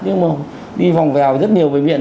nhưng mà đi vòng vào rất nhiều bệnh viện